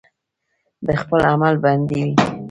قاتل د خپل عمل بندي وي